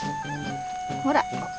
ほら！